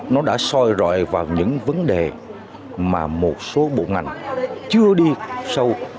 nó đã soi rọi vào những vấn đề mà một số bộ ngành chưa đi sâu